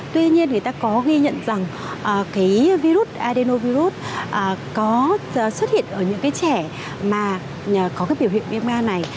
tuy nhiên người ta có ghi nhận rằng cái virus adenovirus có xuất hiện ở những cái trẻ mà có cái biểu hiện viêm gan này